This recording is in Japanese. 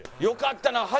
よかったな。